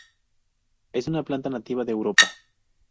Es una planta nativa de Europa.